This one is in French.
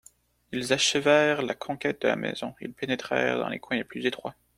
Ils achevèrent la conquête de la maison, ils pénétrèrent dans les coins les plus étroits.